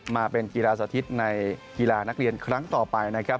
มาเป็นกีฬาสาธิตในกีฬานักเรียนครั้งต่อไปนะครับ